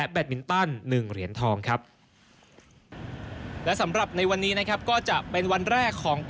โบลิ่ง๗เหรียญทอง